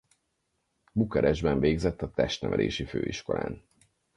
Bukarestben végzett a Testnevelési Főiskolán.